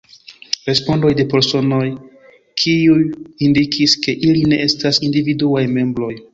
Respondoj de personoj, kiuj indikis, ke ili ne estas individuaj membroj.